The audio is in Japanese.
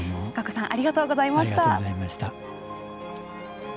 加古さんありがとうございました。